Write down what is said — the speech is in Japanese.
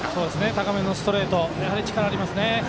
高めのストレート力がありますね。